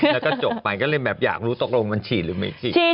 แล้วก็จบไปก็เลยแบบอยากรู้ตกลงมันฉีดหรือไม่ฉีด